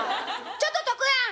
ちょっととくやん！」。